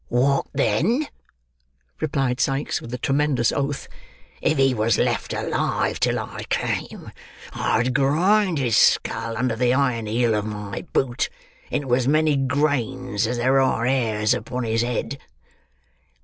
"What then!" replied Sikes; with a tremendous oath. "If he was left alive till I came, I'd grind his skull under the iron heel of my boot into as many grains as there are hairs upon his head."